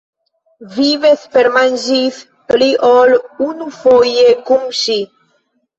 Vi vespermanĝis pli ol unufoje kun ŝi.